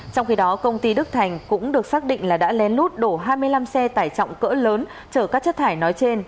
trong khi đó công ty đức thành cũng được xác định là đã lén lút đổ hai mươi năm xe tải trọng cỡ lớn chở các chất thải nói trên